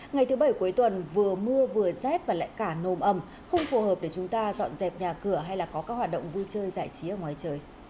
ngày thứ bảy cuối tuần vừa mưa vừa rét và lại cả nồm ẩm không phù hợp để chúng ta dọn dẹp nhà cửa hay là có các hoạt động vui chơi giải trí ở ngoài trời